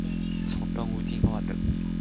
從動物進化的